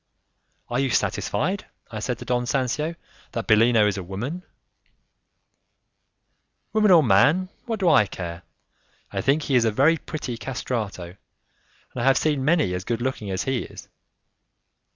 "Are you satisfied," I said to Don Sancio, "that Bellino is a woman?" "Woman or man, what do I care! I think he is a very pretty 'castrato', and I have seen many as good looking as he is."